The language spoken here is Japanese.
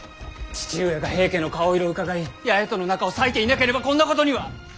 父上が平家の顔色をうかがい八重との仲を裂いていなければこんなことには！